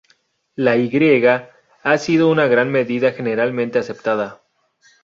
La "y" ha sido en gran medida generalmente aceptada.